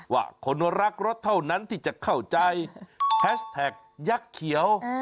ว่าคนรักรถเท่านั้นที่จะเข้าใจแฮชแท็กยักษ์เขียว